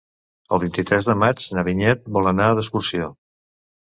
El vint-i-tres de maig na Vinyet vol anar d'excursió.